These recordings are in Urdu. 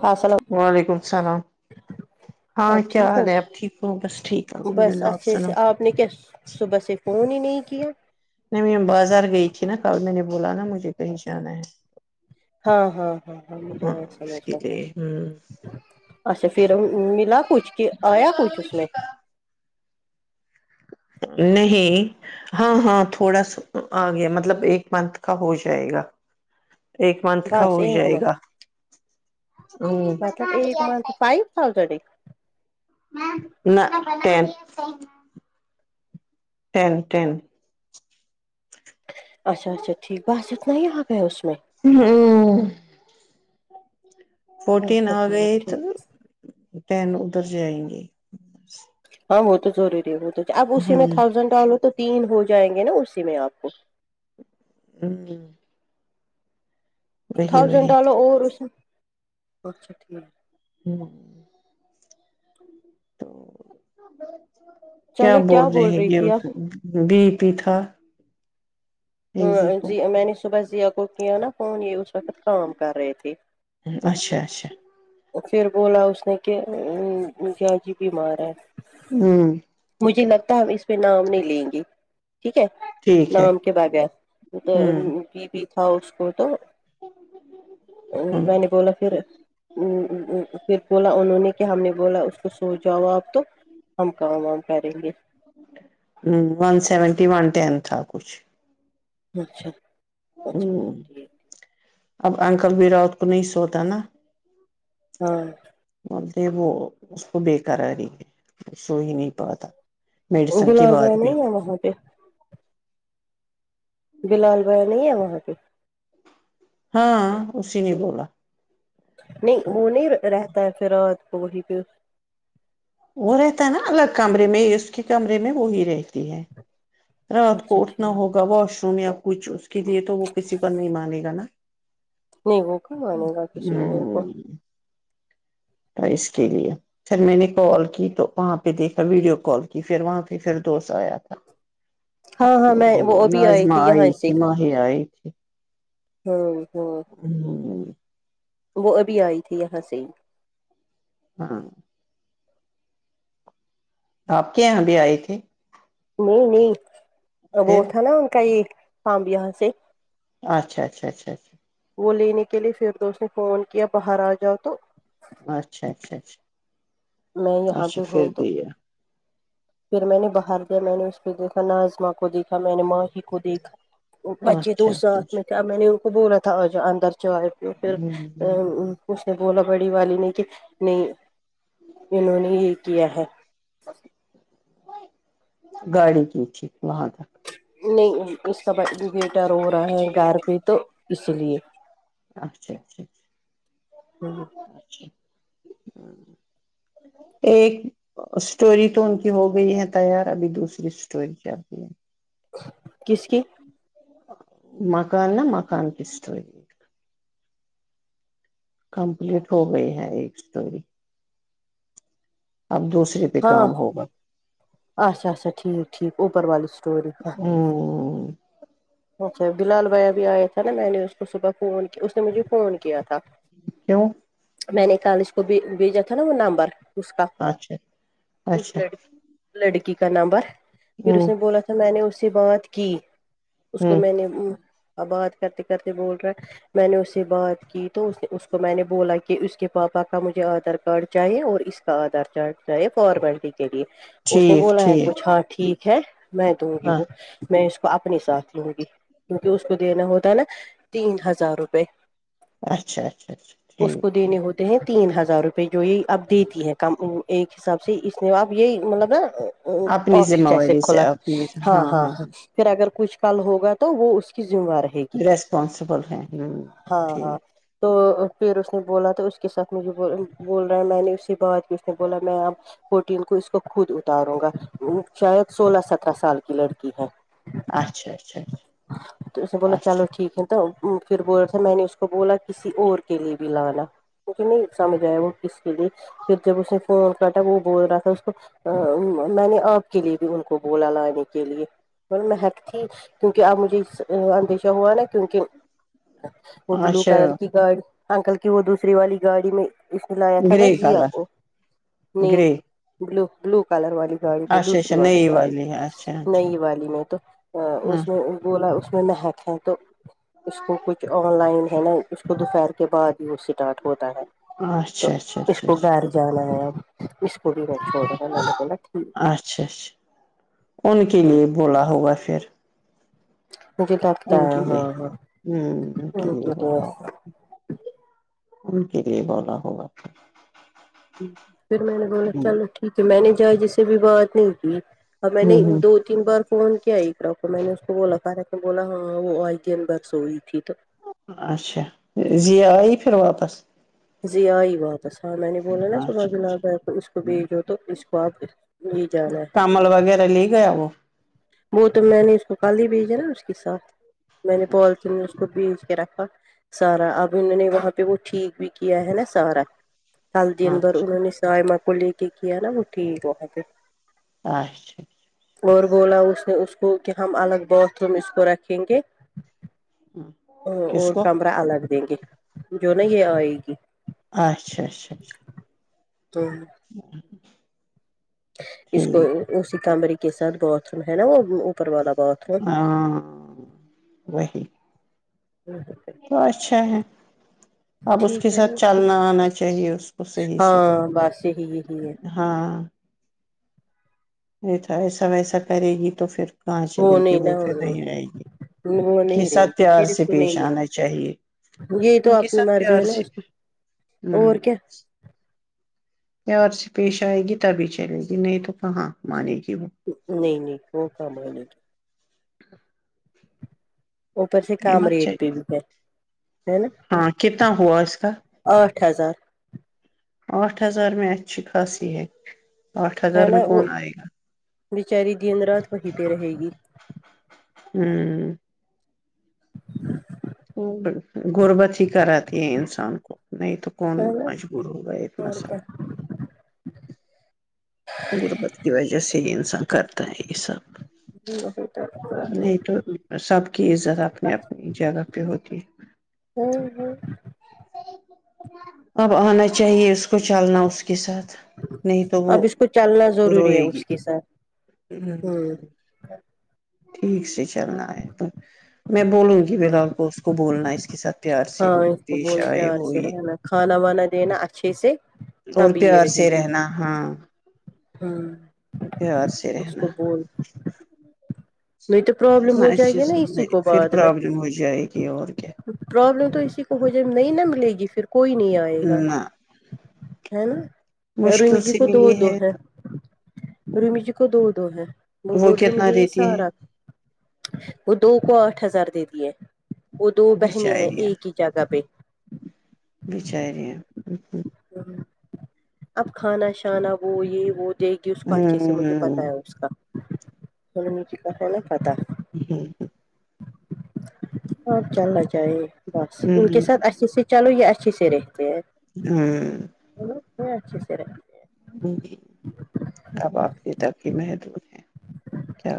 السلام وعلیکم السلام ہاں آپ کیا ٹھیک حال ہے ہو آپ ٹھیک ہ بس ٹھیک ہے الحمد بس للہ آپ اچھے سلو سے آپ نے کیا صبح سے فون ہی نہیں کیا نہیں میں بازار گئی تھی نا کل میں نے بولا نا مجھے کہیں جانا ہے ہاں ہاں ہاں ہاں مجھے ہے سما اس کے لیے ہ اچھا پھر ملا کچھ کہ آیا کچھ اس میں نہیں ہاں ہاں تھوڑا سا آ گیا مطلب ایک منتھ کا ہو جائے گا ایک منتھ کا بس ہو ایک جائے منتھ گا مطلب ایک منتھ فائیو تھاؤزنڈ ایک نہ ٹین ٹین اچھا اچھا ٹھیک بس اتنا ہی آ گیا اس میں [inaudible] فورٹین اچھا آ چلو گئے تو ٹھیک ٹین ادھر جائیں گے ہاں وہ تو ضروری ہے وہ تو اب اسی ہ میں تھاؤزینڈ ڈو تو تین ہو جائیں گے نا اسی میں آپ کو [inaudible] وہی تھازینڈ وہی والو اور اسچا [inaudible] تو کیا چلو بول رہے ہیں رہی یہ تھی آپ بی پی تھا ایزی کو ہاں میں نے صبح ذیا کو کیا نا فون یہ اس وقت کام کر رہے تھے اچھا اچھا پھر بولا اس نے کہ گیا جی بیمار ہے ہوں مجھے لگتا ہے ہم اس پہ نام نہیں لیں گے ٹھیک ہے ٹھیک ہے نام کے بغیر تو ہوں بی بی تھا اس کو تو ا ہ میں نے بولا پھر پھر بولا انہوں نے کہ ہم نے بولا اس کو سوچ جاؤ آپ تو ہم کہم ہم کریں گے ہ ون سیونٹی ون ٹین تھا کچھ اچھا ہ اچھا ٹھیک اب انکل بھی راوت کو نہیں سوتا نا ہاں بولتے وہ اس کو بے کرراری ہے سو ہی نہیں پاتا میڈیسن کے بلال بعد بھیا بھی نہیں ہے وہاں پہ بلال بیا نہیں ہے وہاں پہ ہاں اسی نہیں بولا نہیں وہ نہیں رہتا ہے پھر کو وہیں پہ وہ رہتا ہے نا الگ کمرے میں اس کے کمرے میں وہی رہتی رات کو اچھا ٹھیک اٹھنا ہوگا وشنیا کچھ اس کے لیے تو وہ کسی پر نہیں مانے گا نا نہیں وہ کہاں آنے گا کسی اور کو ہوں تو اس کے لیے پھر میں نے کال کی تو وہاں پہ دیکھا ویڈیو کال کی پھر وہاں پہ پھر دوست آیا تھا ہاں ہاں میں وہ ابھی آئے نازما تھے آئی یہاں تھی ماہی آئی تھی ہوں ہاں [inaudible] وہ ابھی آئی تھی یہاں سے ہی ہاں آپ کے یہاں بھی آئے تھے نہیں نہیں وہ پھر تھا نا ان کا یہ پب یہاں سے اچھا اچا اچھا اچا وہ لینے کے لیے پھر تو اس نے فون کیا باہر آ جاؤ تو اچھا اچھا اچھا میں یہاں اچھا پہ پھر ہوں تو بھییا پھر میں نے باہر گیا میں نے اس پہ دیکھا ناظماں کو دیکھا میں نے ماں ہی کو دیکھا بچے تو اچھا اچھا ساتھ میں کیا میں نے ان کو بولا تھا آج اندر چائے پ پھر اچھا اس نے بولا بڑی والی نے کہ نہیں انہوں نے یہ کیا ہے گاڑی کینچھی وہاں تک نہیں اس کا ب بیٹا رو رہا ہے گھر پہ تو اس لیے اچھا اچھا ہ اچ ایک اسٹوری تو ان کی ہو گئی ہے تیار ابھی دوسری اسٹوری چلی ہے کس کی مکان نہا مکان پس کمپلیٹ ہو گئی ہے ایک اسٹوری اب دوسرے پہ کام ہوگا اچا اچھا ٹھیک ٹھیک اوپر والی اسٹوری ہ اچھا بلال بھائییا بھی آیا تھا نا میں نے اس کو صبح فون اس نے مجھے فون کیا تھا کیوں میں نے کالج کو بھی بھیجا تھا نا وہ نمبر اس کا اچھا اس ل اچھا لڑکی کا نمبر پھر اس ہ نے بولا تھا میں نے اس سے بات کی اس ہ کو میں نے آباد کرتے کرتے بول رہا ہے میں نے اس سے بات کی تو اس نے اس کو میں نے بولا کہ اس کے پاپا کا مجھے آدھار کارڈ چاہیے اور اس آدار چار چاہے فور بنٹی کے لیے اس نے ٹھیک بولا ہے ٹھیک کچھ ہاں ٹھیک ہے میں دوں گی ہاں وہ میں اس کو اپنی ساتھ ہ گی کیونکہ اس کو دینا ہوتا نا تین ہزار روپئے اچھا اچھا اچھا ٹھیک کو ٹھیک دینے ہوتے تین ہزار روپئے جو یہ اپ دیتی ہیں کم ایک حساب سے اس نے اپ یہی مطلب نا اپنی ذمہ آفس ایسے واری سے کولا اپنی ہاں ہاں ہاں پھر اگر کچھ کل ہوگا تو وہ اس کی ذمہوار ہے ریسپانسبل ہیں ہوں ہاں ہاں ٹھیک تو پھر اس نے بولا تو اس کے ساتھ مجھے بول رہا ہے میں نے اسی بعد بھی اس نے بولا میں آپ فورٹین کو اس کو خود اتاروں گا شاید سولہ سترہ سال کی لڑکی ہے اچھا اچھا اچھا تو اسے بولا چلو اچھا ٹھیک ہے تو پھر بول تھا میں نے اس کو بولا کسی اور کے لیے بھی لانا مجھے نہیں سمجھ آیا وہ کس کے لیے پھر جب اس نے فون کرٹا وہ بول رہا تھا اس کو میں نے آپ کے لیے بھی ان کو بولا لانے کے لیے محک تھی کیونکہ اب مجھے اندیشہ ہوا نا کیونکہ وہ بلو اچھا کلر کی گاڑ انکل کی وہ دوسری والی گاڑی میں اس نے لایا تھا نا گرے زیا کلر کو نہیں گرے بلو بلو کلر والی گاڑی میں اچھا دوسری اچھا والی نئی گاڑی ہے اچھا اچھا نئی والی میں تو ہ اس میں بولا اس میں مہک ہے تو اس کو کچھ آن لائن ہے نا اس کو دوپہر کے بعد ہی اسٹارٹ ہوتا ہے تو اچھا اچھا اس اچھا کو اچھا گھر جانا ہے اب اس کو بھی میں چھوڑ رہ تھا میں نے بولا ٹھیک اچھا ہے ہ گولا ہوگا پھر مجھے لگتا ان ہے کے لیے ہاں ہ ان کے لیے ہاں بولا ہوگا ان کے لیے بونا ہوگا پھر میں نے بولا ہوں چلو ٹھیک ہے میں نے جا جیس سے بھی بات نہیں کی ا میں نے ہوں ہوں۔ دو تین بار فون کیا ایک ر کو میں نے اس کو بولا فارا بولا ہاں وہ آئ تین برس ہوئی تھی تو اچھا یہ آئی پھر واپس زیا آئی باتاں میں نے بولا نا صبح اچھا جنا اچھا ہے اس کو ہوں۔ بھیجو تو اس کو آپ جی جانا ہے کمل وغیرہ لے گیا وہ وہ تو میں نے اس کو کال ہی بھیجا نا اس کے ساتھ میں نے پالیتن میں اس کو بیج کے رکھا سارا اب انوں نے وہاں پہ وہ ٹھیک بھی کیا ہے نا سارا سال اچھا دن بھر انہوں اچھا نے سائےماں کو لے کے کیا نا وہ ٹھیک وہاں پ اچھا اس کو رکھیں گے ہوں۔ ا کس اور کو کمرہ الگ دیں گے جو نہا یہ آئے گی اچھا اچھا اچھا تو [unintelligible] اس کو ٹھیک اسی کمری کے ساتھ باتھ روم ہے نا وہ اوپر والا باتھ ہاں وہی ہوں تو اچھا ہے اب اس کے ٹھیک ہے ساتھ نا چلنا آنا چاہیے اس کو صحیح سے ہاں بس یہی یہی ہے ہاں نہیں ایسا ویسا کرے گی تو پھر کہچ ہے دل کی نہیں وہ نا پھر نہیں رہے گی وہ کے نہیں رہے گی ستیار پھر اس سے کو نہیں پیش آنا چاہیے مل یہ تو ان کے اپنی سب پی مرضی ہے نا سے اس میں، ہ اور کیا اور سے پیش آئے گی تبھی چلے گی نہیں تو کہاں مانے گی وہ نہیں نہیں وہ کام ہے ل گی ا پر سے یہ کام مت ریٹ پہ چاہیے بھی ہے ہے نا ہاں کتنا ہوا اس کا آٹھ ہزار آٹھ ہزار میں اچچ خاصی ہے آٹھ ہزار ہے میں نا وہ کون آئے گا بچاری دد رات کوی پہ رہے گی ہوں غربت ہی کراتی ہے انسان کو نہیں تو کون ہے نا مجبور ہوگا اتنا اور سارا غربت کی وجہ سے ہی انسان کرتا ہے یہ سب کیا نہیں تو سب کی عزت اپنی اپنی جگہ پہ ہوتی ہے [unintelligible] اب آنا چاہیے اس کو چلنا اس کے ساتھ نہیں تو اب وہ اس کو چلنا ضروری ہے روئے گی اس کے ساتھ ہوں [unintelligible] ٹھیک سے چلنا ہے تو میں بولوں گی ہوں بلال کو اس کو بولنا ہے اس کے ساتھ پیار سے ہاں اس کو پیش بول آئے پیار ہو سے یہ رہنا کھانا وانا دینا اچھے سے اور تب یہ پیور سے رہے گی رہنا ہاں ہوں توار سے اس رہنا کو بول نہیں تو پرابلم اتنا ہو جائے اچھے گی سے نا اسی نہیں کو پھر پرابلم ہو جائے گی اور کیا پروابلم تو اسی کو ہو جائے نہیں ن ملے گی پھر کوئی نہیں آئے گا نہ ہے نا مشکل رومی جی سے کو دو ملی دو ہے رمی جی کو دو دو ہیں وہ بولے کتنا مجھے یہ دیتی ہے سارا وہ دو کو آٹھ ہزار دے دیے وہ دو بہنیں ہیں بچاریاں ایک ہی جگہ پہ بچار ہیں ہ اب کھانا شانا وہ یہ وہ دے گی اس ہ کوچی سے مجھے پتا ہے اس کا س مٹ کاال پتا جی اب چلنا چاہیے بس ہ ان کے ساتھ اچھے سے لو یہ اچھی سے رہتے ہیں ہوں ہوچے سرا اب آپ یہ تف ہی محدود ہیں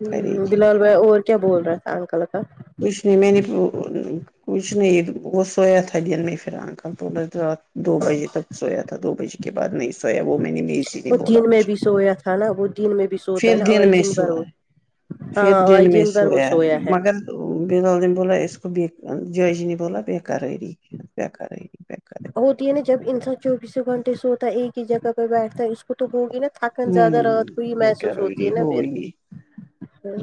ہ بلال بھائی اور کیا بول رہا تھا ا انکل کا کچ نہیں میں نے کچھ نہیں وہ سویا تھا دن میں پھر انکل تھوڑا رات دو بجے تک سویا تھا دو بجے کے بعد نہیں سویا وہ میں میں اسی لی وہ بولا دن میں مجھے بھی سویا تھا نا وہ دن میں بھی سوتا ہے پھر نا آج دن میں بھر سوو ہے وہ پھر ہاں آج دن میں بھر وہ سویا ہے مگر تو بلال دم بوللا اس کو ب جاجنی بوللا بے قرری بے قرری ہوتی ہے نا جب انسان چوبیسوں گھنٹے سوتا ہے ایک ہی جگہ پر بیٹھتا ہے اس تو ہوگی نا تھکن زیادہ ہمم رات کوئی بے محسوس ہوتی ہے قراری نا وہی پھر ہوں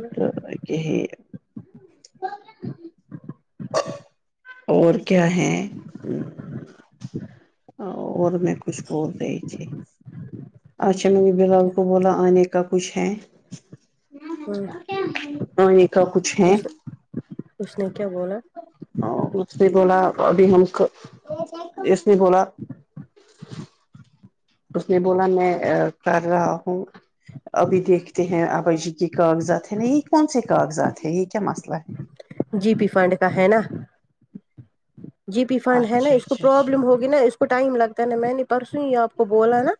کہ اور کیا ہے اور میں کچھ بول رہی تھی اچھا میں نے بلال کو بولا آنے کا کا کچھ ہے ہوں آنے کا کچھ ہے اس اس نے کیا بولا ا اس نے بولا ابھی ہم اس نے بولا اس نے بولا میں کر رہا ہوں ابھی دیکھتے ہیں آبائی جی کے کاغذات ہیں نا یہ کون سے کاغذات ہیں یہ کیا مسئلہ ہے جی پی فنڈ کا ہے نا جی پی فنڈ ہے نا اچھا اس کو اچھا پروابلم اچھا ہوگی نا اس کو ٹائم لگتا نا میں نے پرسوں ہی آپ کو بولا نا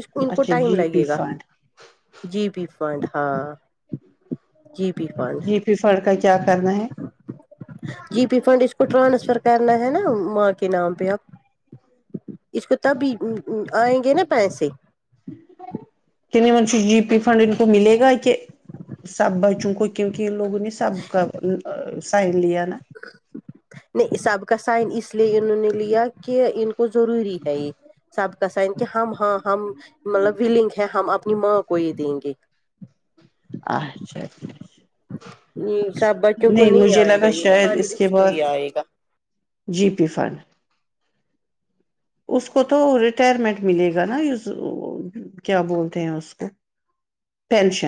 اس ان کو اچھا ٹائم جی پی لگے گا فنڈ جی پی فنڈ ہاں جی پی فنڈ فھڑ کا کیا کرنا ہے جی پی فنڈ اس کو ٹرانسفر کرنا ہے نا ماں کے نام پہ آپ [unintelligible] اس کو تبھی آئیں گے نا پیسے کہ نہیں منش جی پی فنڈ ان کو ملے گا کہ سب بچوں کوکوں کی لوگوں نے سب کا سائن لے آ نا نہیں سب کا سائن اس لیے انہوں نے لیا کہ ان کو ضروری ہے یہ سب کا سن کہ ہم ہاں ہم مطلب ولنگ ہے ہم اپنی ماں کو یہ دیں گے اچھا اچھا اچھا سب اچھا بچوں کو نہیں مجھے آئے گا لگا یہ شاید خالی کے اس کو بعد ہی آئے گا جی پی فنڈ اس کو تو ریٹائرمنٹ ملے گا نا کیا بولتے ہیں اس کو پینشن